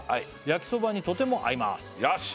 「やきそばにとても合います」よし！